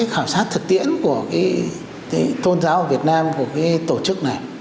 khảo sát thực tiễn của cái tôn giáo việt nam của cái tổ chức này